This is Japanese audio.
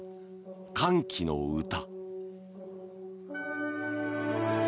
「歓喜の歌」。